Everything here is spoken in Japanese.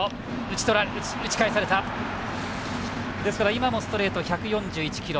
今もストレート１４１キロ。